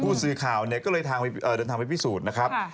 ผู้สื่อข่าวเนี่ยก็เลยเดินทางไปพิสูจน์นะครับ